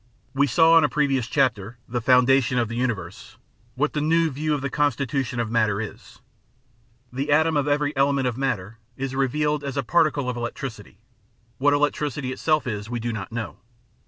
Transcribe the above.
We saw in a previous chapter ("The Foundation of the Universe") what the new view of the constitution of matter is. The atom of every element of matter is revealed as a particle of electricity; what electricity itself is we do not know.